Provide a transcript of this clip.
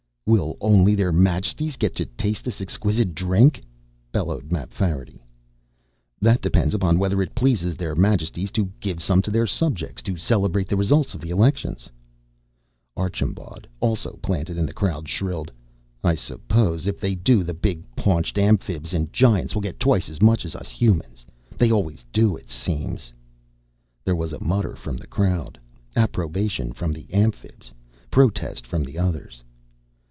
"Will only Their Majesties get to taste this exquisite drink?" bellowed Mapfarity. "That depends upon whether it pleases Their Majesties to give some to their subjects to celebrate the result of the elections." Archambaud, also planted in the crowd, shrilled, "I suppose if they do, the big paunched Amphibs and Giants will get twice as much as us Humans. They always do, it seems." There was a mutter from the crowd; approbation from the Amphibs, protest from the others.